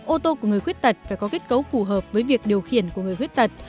ô tô của người khuyết tật phải có kết cấu phù hợp với việc điều khiển của người khuyết tật